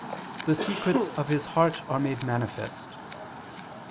. the secrets of his heart are made manifest."